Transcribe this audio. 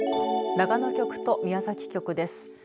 長野局と宮崎局です。